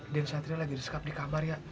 den satria lagi disekap di kamar ya